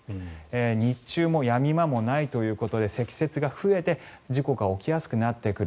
日中もやみ間もないということで積雪が増えて事故が起きやすくなってくる。